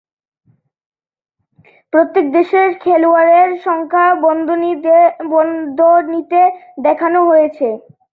প্রত্যেক দেশের খেলোয়াড়ের সংখ্যা বন্ধনীতে দেখানো হয়েছে।